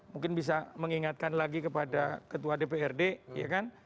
mungkin bisa mengingatkan lagi kepada ketua dprd ya kan